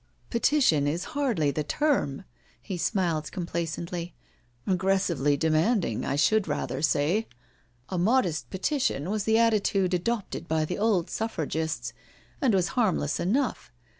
" Petition is hardly the term." He smiled compla cently. " Aggressively demanding, I should rather say. A modest petition was the attitude adopted by the old Suffragists, and was harmless enough.